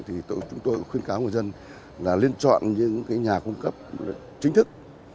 thì chúng tôi khuyên cáo người dân là nên chọn những nhà cung cấp chính thức